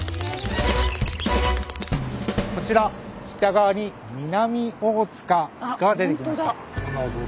こちら北側に南大塚が出てきました。